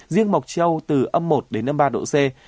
riêng mộc châu từ âm một đến âm ba độ c